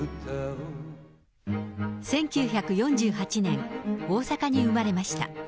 １９４８年、大阪に生まれました。